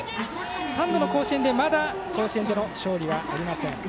３度の甲子園でまだ甲子園での勝利はありません。